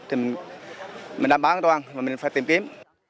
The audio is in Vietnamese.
thì mình đảm bảo an toàn và mình phải tìm kiếm